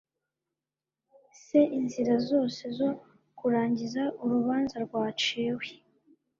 se inzira zose zo kurangiza urubanza rwaciwe